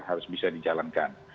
harus bisa dijalankan